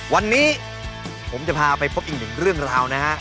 วันนี้ผมจะพาไปพบอีกหนึ่งเรื่องราวนะฮะ